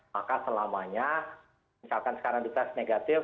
maka selamanya misalkan sekarang dites negatif